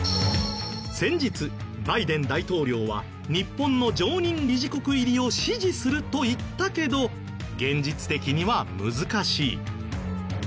先日バイデン大統領は日本の常任理事国入りを支持すると言ったけど現実的には難しい。